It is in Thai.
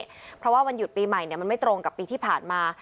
เพราะว่าวันหยุดปีใหม่มันไม่ตรงกับปีที่ผ่านมา